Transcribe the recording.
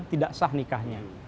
tidak sah nikahnya